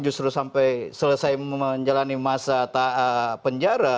justru sampai selesai menjalani masa penjara